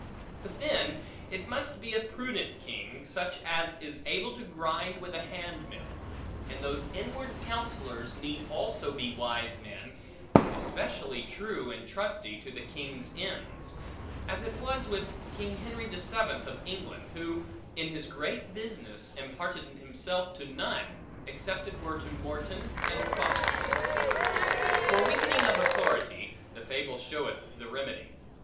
But then it must be a prudent king, such as is able to grind with a handmill; and those inward counsellors had need also be wise men, and especially true and trusty to the king's ends; as it was with King Henry the Seventh of England, who, in his great business, imparted himself to none, except it were to Morton and Fox. For weakening of authority; the fable showeth the remedy.